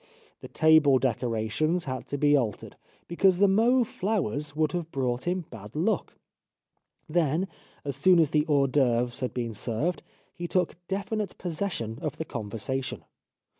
... "The table decorations had to be altered, be cause the mauve flowers would have brought him bad luck. Then, as soon as the hors d'ceuvres had been served he took definite pos session of the conversation.